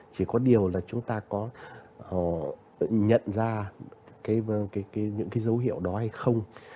chỉ có điều là chúng ta có nhận ra những cái dấu hiệu đó hay không